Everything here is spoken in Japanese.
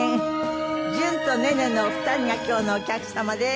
じゅん＆ネネのお二人が今日のお客様です。